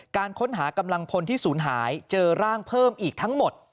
การค้นหากำลังพลที่ศูนย์หายเจอร่างเพิ่มอีกทั้งหมด